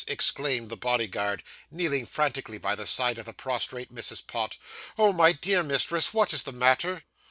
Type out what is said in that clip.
exclaimed the bodyguard, kneeling frantically by the side of the prostrate Mrs. Pott. 'Oh, my dear mistress, what is the matter?